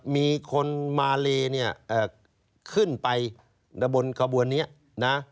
มีคนมาเลเนี่ยเอ่อขึ้นไประบวนกระบวนเนี้ยนะ